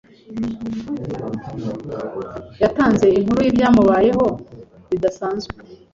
Yatanze inkuru yibyamubayeho bidasanzwe.